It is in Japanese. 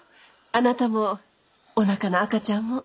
あなたもおなかの赤ちゃんも。